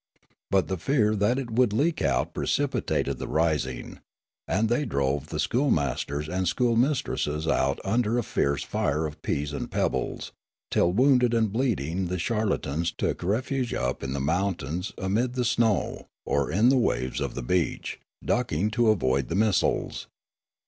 But the fear that it would leak out precipitated the rising ; and the}' drove the schoolmasters and schoolmistresses out under a fierce fire of peas and pebbles, till wounded and bleeding the charlatans took refuge up the mount ains amid the snow, or in the waves of the beach, ducking to avoid the missiles.